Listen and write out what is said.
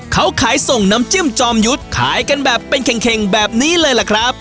เขาขายส่งน้ำจิ้มจอมยุทธ์ขายกันแบบเป็นเข่งแบบนี้เลยล่ะครับ